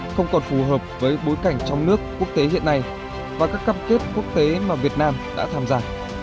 không còn phù hợp với bối cảnh trong nước quốc tế hiện nay và các cam kết quốc tế mà việt nam đã tham gia